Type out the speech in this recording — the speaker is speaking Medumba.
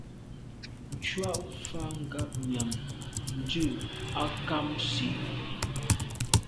Ntshùa mfà ngabnyàm ndù a kag nsi,